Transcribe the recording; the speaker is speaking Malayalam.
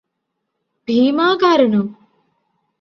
ഭീമാകാരനോ